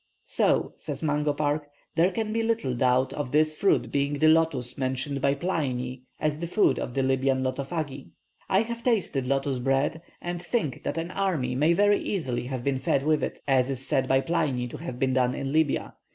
"So," says Mungo Park, "there can be little doubt of this fruit being the lotus mentioned by Pliny as the food of the Lybian Lotophagi. I have tasted lotus bread, and think that an army may very easily have been fed with it, as is said by Pliny to have been done in Lybia.